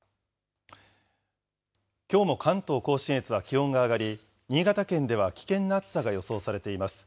きょうも関東甲信越は気温が上がり、新潟県では危険な暑さが予想されています。